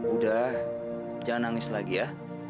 udah jangan nangis lagi ya